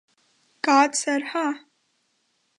God Said Ha!